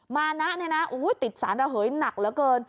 มานะเนี่ยนะติดสารระเหยหนักเหลือเกิน